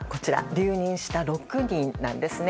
留任した６人なんですね。